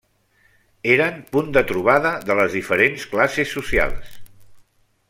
Eren punt de trobada de les diferents classes socials.